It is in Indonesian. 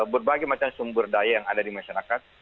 berbagai macam sumber daya yang ada di masyarakat